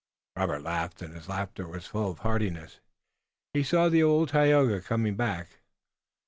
Robert laughed, and his laugh was full of heartiness. He saw the old Tayoga coming back.